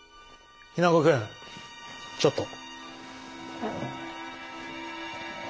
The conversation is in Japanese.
日名子君ちょっと。